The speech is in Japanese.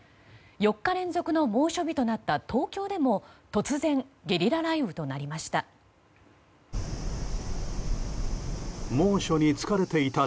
４日連続の猛暑日となった東京でも突然、ゲリラ雷雨となりました。